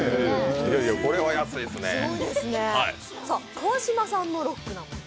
川島さんのロックなものは？